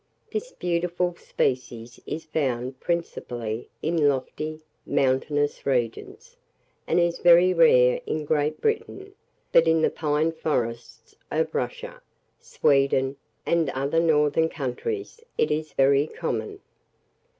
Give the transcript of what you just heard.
This beautiful species is found principally in lofty, mountainous regions, and is very rare in Great Britain; but in the pine forests of Russia, Sweden, and other northern countries, it is very common.